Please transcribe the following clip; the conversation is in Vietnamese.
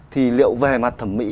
thì liệu về mặt thẩm mỹ